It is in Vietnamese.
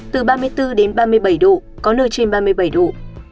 từ ba mươi bốn đến ba mươi bảy độ có nơi trên ba mươi bảy độ